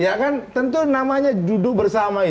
ya kan tentu namanya judul bersama